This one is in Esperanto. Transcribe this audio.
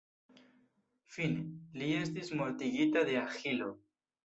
Fine, li estis mortigita de Aĥilo.